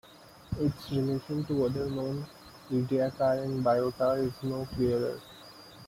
Its relation to other known Ediacaran biota is no clearer.